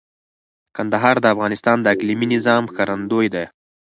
کندهار د افغانستان د اقلیمي نظام ښکارندوی ده.